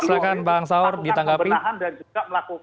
yang harus menangkapi saudara saudara